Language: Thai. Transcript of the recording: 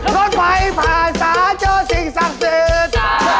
รถไพรผ่าสาเจอสิ่งศักดิ์เสท